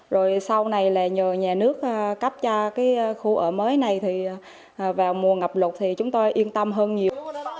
rồi sau này là nhờ nhà nước cấp cho cái khu ở mới này thì vào mùa ngập lục thì chúng tôi yên tâm hơn nhiều